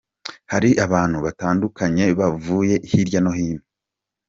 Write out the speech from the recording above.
Hari abantu batandukanye bavuye hirya no hino.